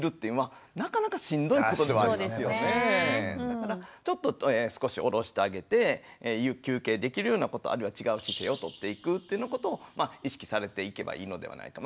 だからちょっと少しおろしてあげて休憩できるようなことあるいは違う姿勢をとっていくっていうようなことを意識されていけばいいのではないか。